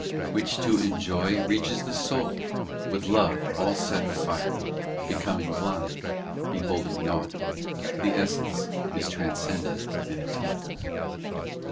Which to enjoy Reaches the soul, with love all set afire ; Becoming blind, Beholding naught, The essence is transcended and attained.